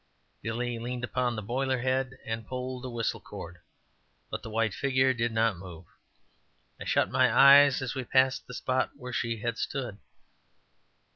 Billy leaned upon the boiler head and pulled the whistle cord, but the white figure did not move. I shut my eyes as we passed the spot where she had stood.